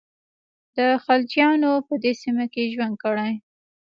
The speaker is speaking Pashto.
د خلجیانو په دې سیمه کې ژوند کړی.